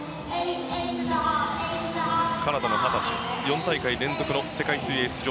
カナダの二十歳４大会連続の世界水泳出場